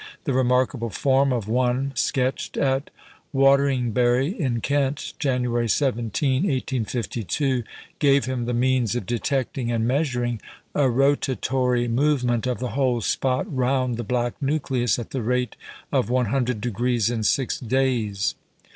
The remarkable form of one sketched at Wateringbury, in Kent, January 17, 1852, gave him the means of detecting and measuring a rotatory movement of the whole spot round the black nucleus at the rate of 100 degrees in six days.